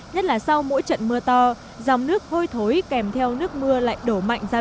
nhất là sau mỗi trận mưa to dòng nước hơi thối kèm theo nước mưa lại đổ mạnh